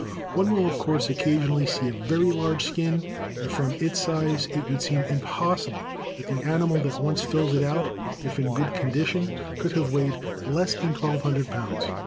One will, of course, occasionally see a very large skin, and from its size it would seem impossible that the animal that once filled it out, if in good condition, could have weighed less than twelve hundred pounds.